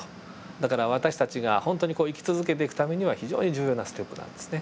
だから私たちが本当に生き続けていくためには非常に重要なステップなんですね